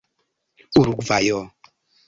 urugvajo